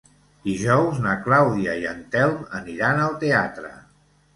Dijous na Clàudia i en Telm aniran al teatre.